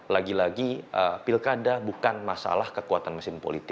lagi lagi pilkada bukan masalah kekuatan mesin politik